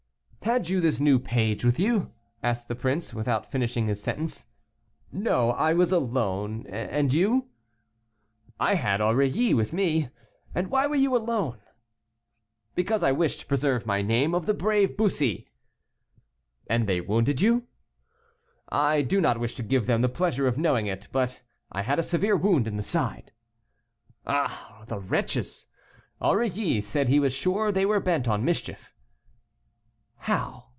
"Had you this new page with you?" asked the prince, without finishing his sentence. "No, I was alone, and you?" "I had Aurilly with me; and why were you alone?" "Because I wish to preserve my name of the brave Bussy." "And they wounded you?" "I do not wish to give them the pleasure of knowing it, but I had a severe wound in the side." "Ah! the wretches; Aurilly said he was sure they were bent on mischief." "How!